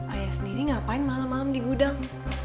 ayah sendiri ngapain malam malam di gudang